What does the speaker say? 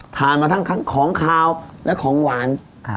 ทานมาทั้งของขาวและของหวาน